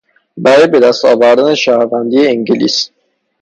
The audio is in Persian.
برای به دست آوردن شهروندی انگلیس